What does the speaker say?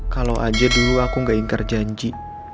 kalau aja dulu aku gak ingkar janji